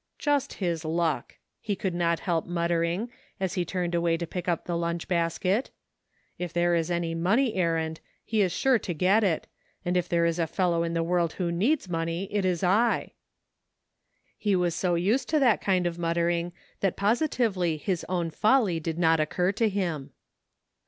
" Just his luck," he could not help muttering, as he turned away to pick up the lunch basket. " If there is any money errand he is sure to get it, and if there is a fellow in the world who needs money it is I." He was so used to that kind of muttering that positively his own folly did not occur to him.